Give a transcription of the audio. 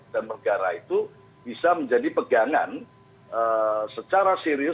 dan negara itu bisa menjadi pegangan secara serius